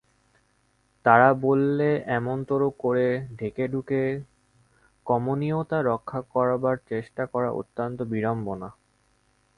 তারা বললে, এমনতরো করে ঢেকেঢুকে কমনীয়তা রক্ষা করবার চেষ্টা করা অত্যন্ত বিড়ম্বনা।